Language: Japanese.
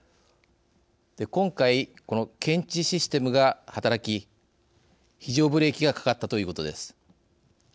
今回、この検知システムが働き非常ブレーキがかかったということです。